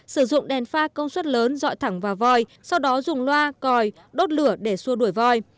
sử dụng đèn pha công suất lớn dọi thẳng vào voi sau đó dùng loa còi đốt lửa để xua đuổi voi